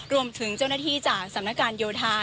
รวมถึงเจ้าหน้าที่จากสำนักการโยธา